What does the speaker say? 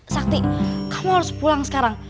sakti kamu harus pulang sekarang